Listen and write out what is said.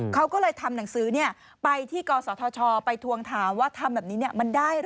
เขาก็เลยทำหนังสือไปที่กศธชไปทวงถามว่าทำแบบนี้มันได้เหรอ